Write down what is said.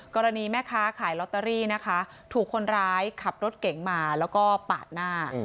กรณีแม่ค้าขายลอตเตอรี่นะคะถูกคนร้ายขับรถเก๋งมาแล้วก็ปาดหน้า